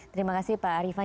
terima kasih pak ariefan